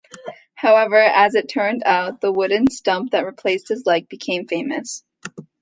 However, as it turned out, the wooden stump that replaced his leg became famous.